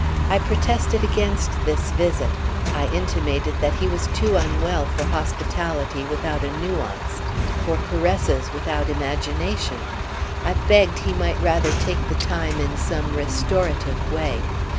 I protested against this visit; I intimated that he was too unwell for hospitality without a nuance, for caresses without imagination; I begged he might rather take the time in some restorative way.